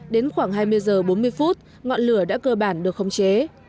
đến khoảng hai mươi h bốn mươi phút ngọn lửa đã cơ bản được khống chế